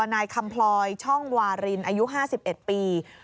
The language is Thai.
นายคำพลอยช่องวารินอายุ๕๑ปี